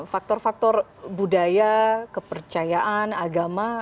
faktor faktor budaya kepercayaan agama